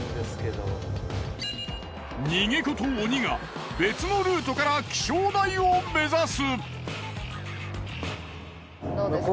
逃げ子と鬼が別のルートから気象台を目指す。